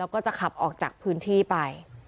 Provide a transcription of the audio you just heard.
แล้วก็จะขับออกจากพื้นที่ไป